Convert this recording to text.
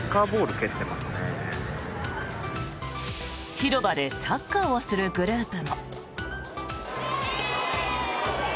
広場でサッカーをするグループも。